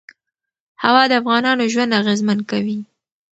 هوا د افغانانو ژوند اغېزمن کوي.